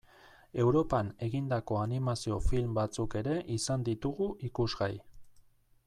Europan egindako animazio film batzuk ere izan ditugu ikusgai.